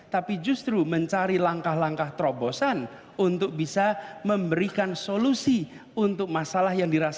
tapi justru mencari langkah langkah terobosan untuk bisa memberikan solusi untuk masalah yang dirasakan